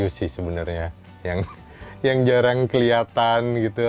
musisi cuma kalau yang buat yang sering beli gitu yang maksudnya